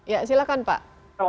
ya silakan pak